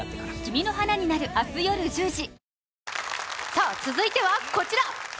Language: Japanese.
さあ、続いてはこちら。